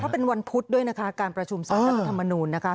เป็นวันพุธด้วยนะคะการประชุมสารรัฐธรรมนูลนะคะ